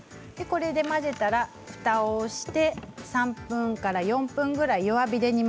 混ぜたらふたをして３分から４分くらい弱火で。